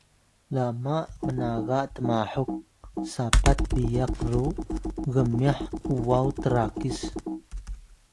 lama mnaga tmahok sapat biyak ru gmyah uwaw trakis